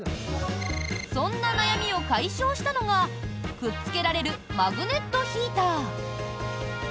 そんな悩みを解消したのがくっつけられるマグネットヒーター。